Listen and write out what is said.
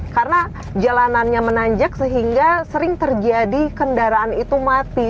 karena jalanannya menanjak sehingga sering terjadi kendaraan itu mati